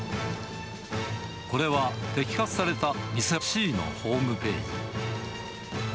これは、摘発された店Ｃのホームページ。